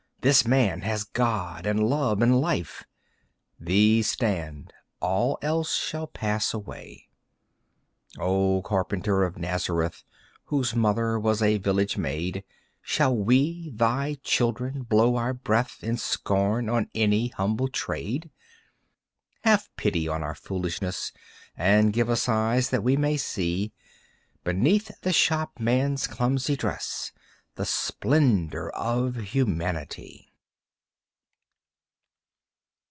This man has God and love and life; These stand, all else shall pass away. O Carpenter of Nazareth, Whose mother was a village maid, Shall we, Thy children, blow our breath In scorn on any humble trade? Have pity on our foolishness And give us eyes, that we may see Beneath the shopman's clumsy dress The splendor of humanity!